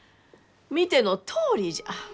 見てのとおりじゃ！